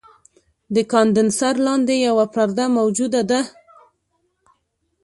د کاندنسر لاندې یوه پرده موجوده ده.